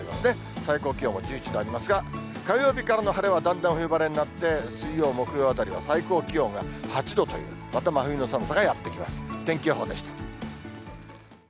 最高気温も１１度ありますが、火曜日からの晴れは、だんだん冬晴れになって、水曜、木曜あたりは最高気温が８度という、着いたところが目的地